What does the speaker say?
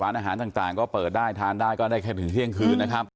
อาหารต่างก็เปิดได้ทานได้ก็ได้แค่ถึงเที่ยงคืนนะครับ